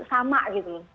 sama gitu loh